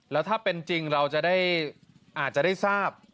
แล้วถ้าเป็นจริงเราจะได้อาจจะได้ทราบ